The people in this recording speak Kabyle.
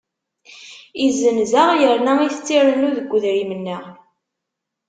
Izzenz-aɣ yerna itett irennu deg wedrim-nneɣ.